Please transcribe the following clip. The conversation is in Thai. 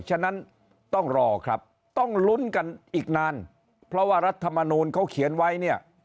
ฉะนั้นต้องรอครับต้องลุ้นกันอีกนานเพราะว่ารัฐมนูลเขาเขียนไว้เนี่ย